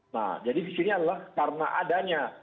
nah jadi disini adalah karena adanya